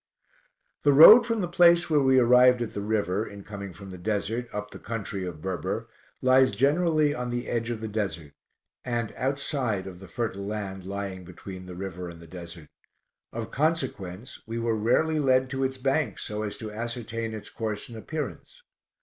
The road from the place where we arrived at the river (in coming from the desert) up the country of Berber, lies generally on the edge of the desert, and outside of the fertile land lying between the river and the desert; of consequence we were rarely led to its banks so as to ascertain its course and appearance.